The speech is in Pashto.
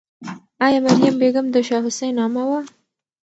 آیا مریم بیګم د شاه حسین عمه وه؟